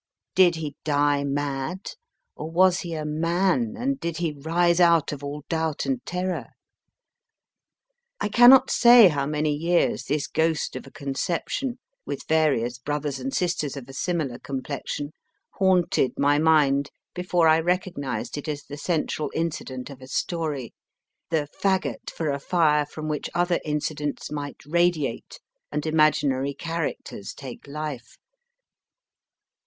Did he die mad, or was he a MAN, and did he rise out of all doubt and terror ? I cannot say how many years this ghost of a conception (with various brothers and sisters of a similar complexion) haunted my mind before I recognised it as the central incident of a story, the faggot for a fire from which other incidents might radiate and imaginary characters take life.